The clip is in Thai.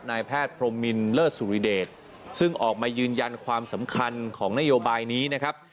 นายแพทย์พรมมินเลิศสุริเดชซึ่งออกมายืนยันความสำคัญของนโยบายนี้นะครับ